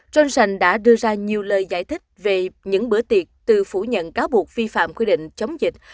johnson đã đưa ra nhiều lời giải thích về những bữa tiệc từ phủ nhận cáo buộc vi phạm quy định chống dịch